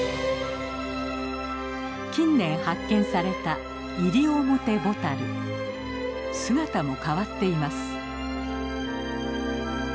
近年発見された姿も変わっています。